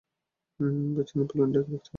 পিছনের প্লেনটা দেখতে পাচ্ছ?